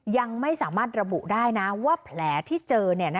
ยังไม่สามารถระบุได้นะว่าแผลที่เจอ